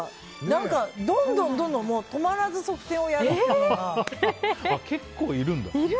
どんどん止まらず結構いるんだ。